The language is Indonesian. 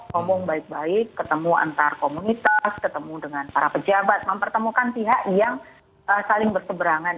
ngomong baik baik ketemu antar komunitas ketemu dengan para pejabat mempertemukan pihak yang saling berseberangan